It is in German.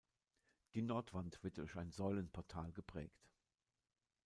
Die Nordwand wird durch ein Säulenportal geprägt.